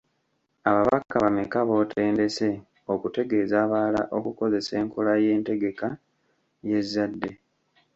Ababaka bameka b’otendese okutegeeza abalala okukozesa enkola ey’entegeka y’ezzadde?